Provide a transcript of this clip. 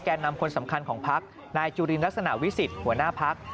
แก่นำคนสำคัญของพักนายจุฬินรัศนาวิสิตหัวหน้าพัก